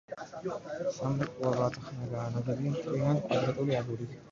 სამრეკლო რვაწახნაგაა, ნაგებია მთლიანად კვადრატული აგურით.